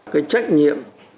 cái trách nhiệm